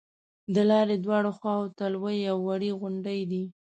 د لارې دواړو خواو ته لویې او وړې غونډې دي.